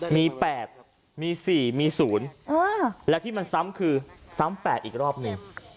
มีแปดมีสี่มีศูนย์อ้าวแล้วที่มันซ้ำคือซ้ำแปดอีกรอบหนึ่ง